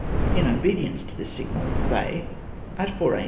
In obedience to this signal, they, at 4 a.